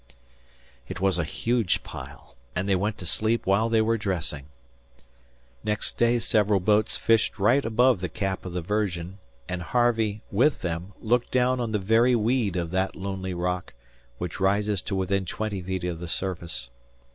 It was a huge pile, and they went to sleep while they were dressing. Next day several boats fished right above the cap of the Virgin; and Harvey, with them, looked down on the very weed of that lonely rock, which rises to within twenty feet of the surface.